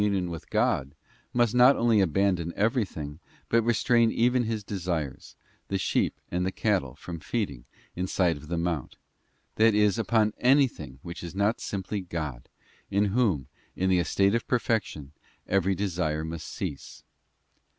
oo By UNION WITH GOD REQUIRES SEPARATION FROM CREATURES, 21 must not only abandon everything, but restrain even his desires, the sheep and the cattle from feeding in sight of the mount—that is, upon anything which is not simply God, in Whom, in the estate of perfection, every desire must cease.